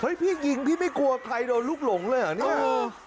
ฮือยพี่กินที่ไม่กลัวใครโดนลูกหลงเลยอ่ะเนี้ย